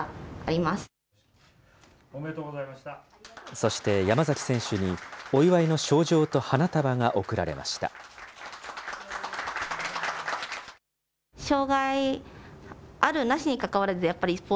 そして山崎選手に、お祝いの賞状と花束が贈られました。